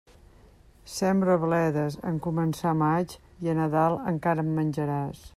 Sembra bledes en començar maig, i a Nadal encara en menjaràs.